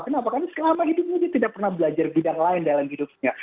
kenapa karena selama hidupnya dia tidak pernah belajar bidang lain dalam hidupnya